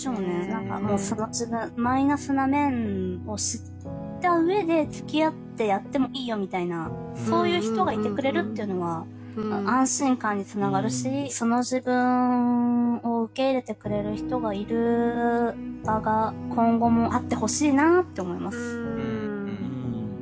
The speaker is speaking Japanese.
何か素の自分マイナスな面を知ったうえでつきあってやってもいいよみたいなそういう人がいてくれるっていうのは安心感につながるし素の自分を受け入れてくれる人がいる場が今後もあってほしいなって思います。